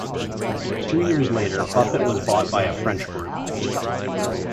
Two years later Buffet was bought by a French group.